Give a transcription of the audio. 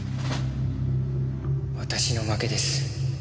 私の負けです。